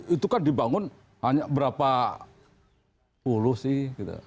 itu kan dibangun hanya berapa puluh sih gitu